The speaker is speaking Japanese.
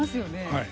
はい。